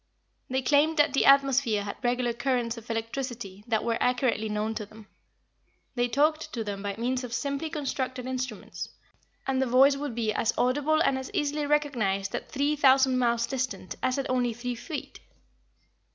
They claimed that the atmosphere had regular currents of electricity that were accurately known to them. They talked to them by means of simply constructed instruments, and the voice would be as audible and as easily recognized at three thousand miles distant as at only three feet.